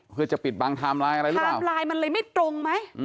เพื่อจะปิดบังไทม์ไลน์อะไรหรือเปล่าไทม์ไลน์มันเลยไม่ตรงไหม